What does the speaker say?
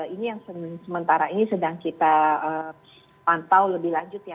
ini yang sementara ini sedang kita pantau lebih lanjut ya